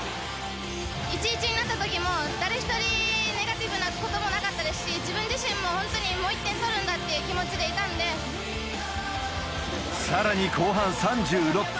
１対１になったときも、誰一人ネガティブなことばはなかったですし、自分自身も本当にもう１点取るんだっていう気持ちでいたさらに後半３６分。